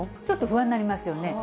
ちょっと不安になりますよね。